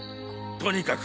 とにかく！